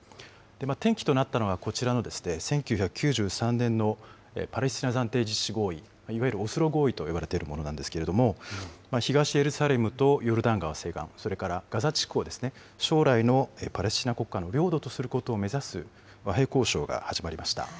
転機となったのがこちらのですね、１９９３年のパレスチナ暫定自治合意、いわゆるオスロ合意といわれているものなんですけれども、東エルサレムとヨルダン川西岸、それからガザ地区を将来のパレスチナ国家の領土とすることを目指す和平交渉が始まりました。